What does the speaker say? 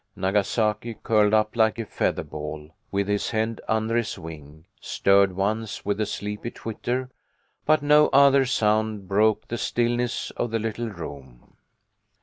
Nagasaki, curled up like a feather ball, with his head under his wing, stirred once, with a sleepy twitter, but no other sound broke the stillness of the little room.